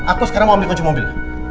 aku sekarang mau ambil kunci mobil